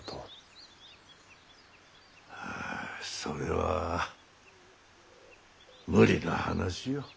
ああそれは無理な話よ。